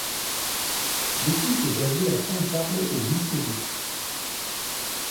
L'équipe est basée à Saint Charles au Missouri.